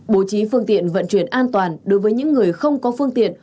bố trí phương tiện vận chuyển an toàn đối với những người không có phương tiện